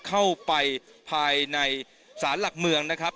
เข้าไปภายในศาลหลักเมืองนะครับ